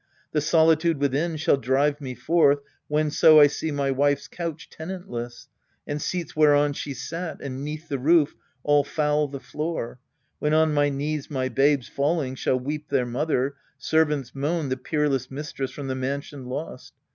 The solitude within shall drive me forth, Whenso I see my wife's couch tenantless, And seats whereon she sat, and, 'neath the roof, All foul the floor ; when on njy knees my babes Falling shall weep their mother, servants moan The peerless mistress from the mansion lost.